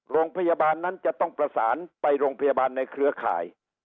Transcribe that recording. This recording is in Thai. โรงพยาบาลนั้นจะต้องประสานไปโรงพยาบาลในเครือข่าย